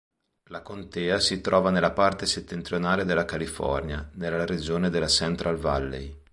La contea si trova nella parte settentrionale della California, nella regione della Central Valley.